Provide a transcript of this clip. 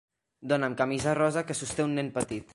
Dona amb camisa rosa que sosté un nen petit.